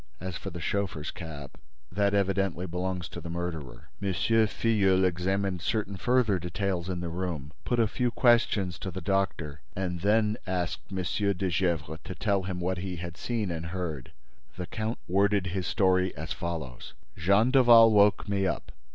As for the chauffeur's cap, that evidently belongs to the murderer." M. Filleul examined certain further details in the room, put a few questions to the doctor and then asked M. de Gesvres to tell him what he had seen and heard. The count worded his story as follows: "Jean Daval woke me up.